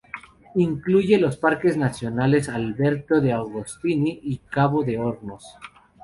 Incluye los Parques Nacionales Alberto de Agostini y Cabo de Hornos.